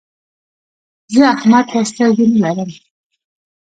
زه احمد ته سترګې نه لرم.